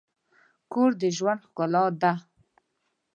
کور د ژوند ښکلا ده.